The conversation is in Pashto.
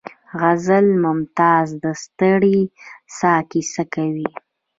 غزل د ممتاز د ستړې ساه کیسه کوي